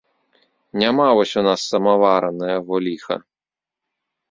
Няма вось у нас самавара, на яго ліха.